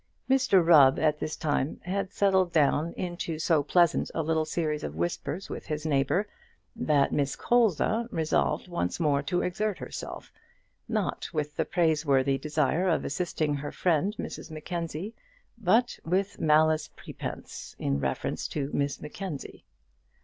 Mr Rubb at this time had settled down into so pleasant a little series of whispers with his neighbour, that Miss Colza resolved once more to exert herself, not with the praiseworthy desire of assisting her friend Mrs Mackenzie, but with malice prepense in reference to Miss Mackenzie.